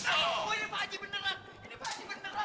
oh ini pak haji beneran ini pak haji beneran